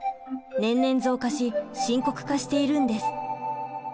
年々増加し深刻化しているんです。